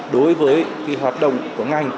đối với hoạt động của ngành